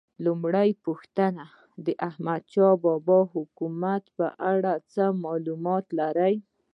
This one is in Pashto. لومړۍ پوښتنه: د احمدشاه بابا د حکومت په اړه څه معلومات لرئ؟